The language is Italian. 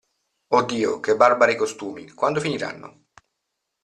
Oh Dio, che barbari costumi, quando finiranno?